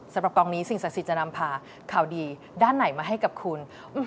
สำหรับกองนี้สิ่งศักดิ์สิทธิ์จะนำพาข่าวดีด้านไหนมาให้กับคุณ